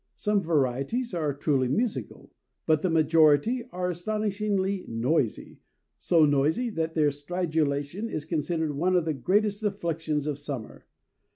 Some varieties are truly musical; but the majority are astonishingly noisy, so noisy that their stridulation is considered one of the great afflictions of summer.